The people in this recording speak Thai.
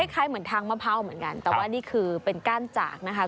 คล้ายเหมือนทางมะพร้าวเหมือนกันแต่ว่านี่คือเป็นก้านจากนะคะ